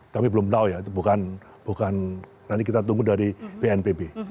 tapi belum tahu ya itu bukan nanti kita tunggu dari bnpb